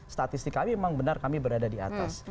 statistik kami memang benar kami berada di atas